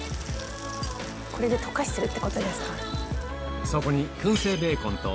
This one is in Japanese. これで溶かしてるってことですか。